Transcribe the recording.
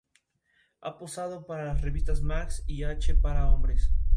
Se encuentra en la zona paleártica y África oriental.